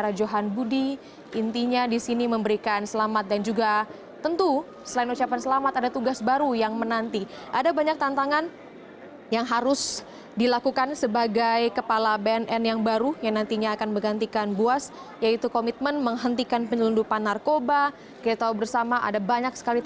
rohanewan dimohon kembali tempat semula